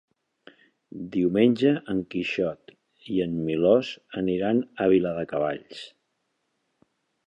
Diumenge en Quixot i en Milos aniran a Viladecavalls.